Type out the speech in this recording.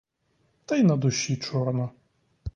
Та й на душі чорно.